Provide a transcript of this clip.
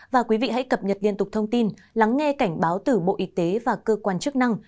và quý vị hãy cập nhật liên tục thông tin lắng nghe cảnh báo từ bộ y tế và cơ quan chức năng